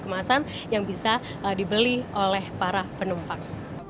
kemasan yang bisa dibeli oleh para penumpang